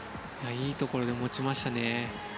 いいところで持ちましたね。